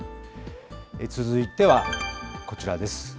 続いてはこちらです。